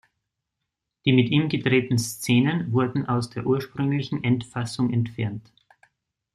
Die mit ihm gedrehten Szenen wurden aus der ursprünglichen Endfassung entfernt.